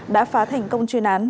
đã phá thành công chuyên án